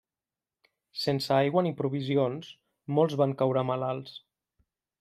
Sense aigua ni provisions, molts van caure malalts.